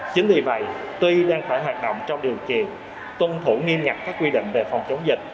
chính vì vậy tuy đang phải hoạt động trong điều kiện tuân thủ nghiêm nhập các quy định về phòng chống dịch